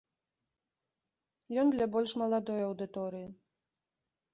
Ён для больш маладой аўдыторыі.